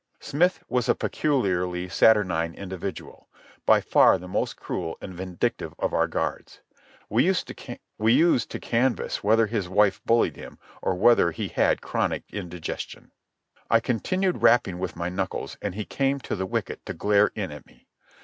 Smith was a peculiarly saturnine individual, by far the most cruel and vindictive of our guards. We used to canvass whether his wife bullied him or whether he had chronic indigestion. I continued rapping with my knuckles, and he came to the wicket to glare in at me.